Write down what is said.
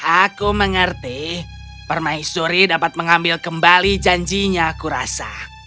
aku mengerti permaisuri dapat mengambil kembali janjinya kurasa